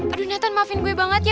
aduh noton maafin gue banget ya